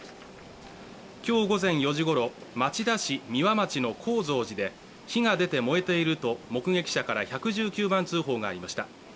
今日午前４時ごろ、町田市三輪町の高蔵寺で火が出て燃えていると目撃者から１１９番通報がありました。